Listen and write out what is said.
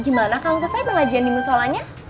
gimana kang kesel pelajian di musholahnya